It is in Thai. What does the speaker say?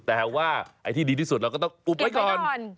แต่ว่าไอ้ที่ดีที่สุดเราก็ต้องอุบไว้ก่อน